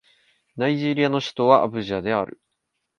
ナイジェリアの首都はアブジャである